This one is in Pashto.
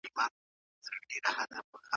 له سړیو ساه ختلې ژوندي مړي پکښي ګرځي